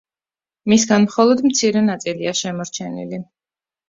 მისგან მხოლოდ მცირე ნაწილია შემორჩენილი.